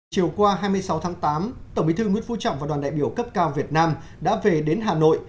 chiều qua hai mươi sáu tháng tám tổng bí thư nguyễn phú trọng và đoàn đại biểu cấp cao việt nam đã về đến hà nội